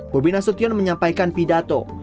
bobi nasution menyampaikan pidato